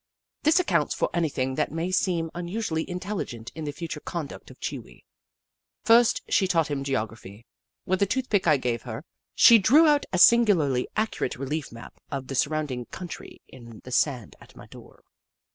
This ac counts for anything that may seem unusually intellieent in the future conduct of Chee Wee. First, she taught him geography. With a toothpick I gave her, she drew out a singularly accurate relief map of the surrounding country in the sand at my door.